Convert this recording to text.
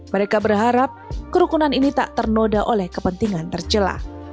mereka berharap kerukunan ini tak ternoda oleh kepentingan terjelah